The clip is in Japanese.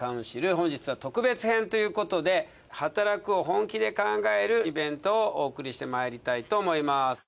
本日は特別編ということではたらくを本気で考えるイベントをお送りしてまいりたいと思います。